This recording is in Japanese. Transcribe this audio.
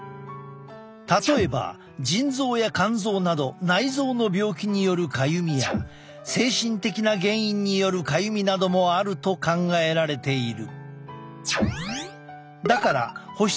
例えば腎臓や肝臓など内臓の病気によるかゆみや精神的な原因によるかゆみなどもあると考えられている。